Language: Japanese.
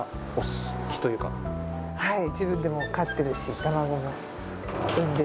はい。